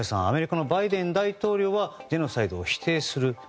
アメリカのバイデン大統領はジェノサイドを否定する。